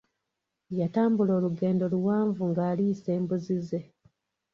Yatambula olugendo luwanvu ng'aliisa embuzi ze.